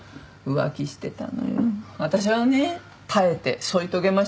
私はね耐えて添い遂げましたけどね。